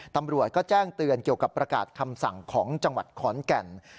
ตำรวจก็แจ้งเตือนเกี่ยวกับประกาศคำสั่งของจังหวัดขอนแก่น